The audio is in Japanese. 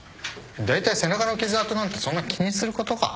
だいたい背中の傷痕なんてそんな気にすることか？